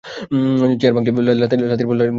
Chair ভাঙলি, লাথির পর লাথি বসাতে লাগল পালঙ্কে।